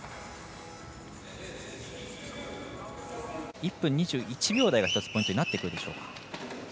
１分２１秒台が１つポイントになってくるでしょうか。